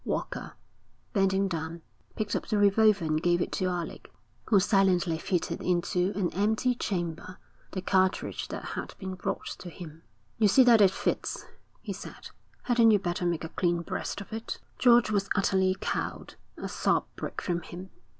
Walker, bending down, picked up the revolver and gave it to Alec, who silently fitted into an empty chamber the cartridge that had been brought to him. 'You see that it fits,' he said. 'Hadn't you better make a clean breast of it?' George was utterly cowed. A sob broke from him.